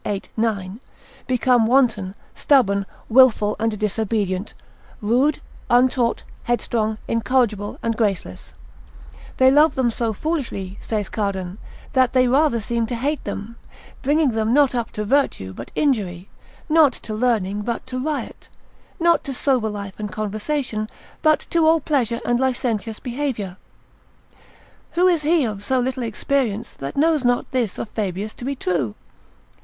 8, 9), become wanton, stubborn, wilful, and disobedient; rude, untaught, headstrong, incorrigible, and graceless; they love them so foolishly, saith Cardan, that they rather seem to hate them, bringing them not up to virtue but injury, not to learning but to riot, not to sober life and conversation, but to all pleasure and licentious behaviour. Who is he of so little experience that knows not this of Fabius to be true?